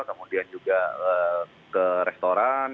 kemudian juga ke restoran